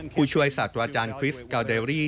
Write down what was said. ผู้ช่วยสัตว์อาจารย์ควิสกาเดรี่